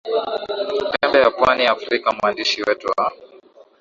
pembe ya pwani afrika mwandishi wetu wa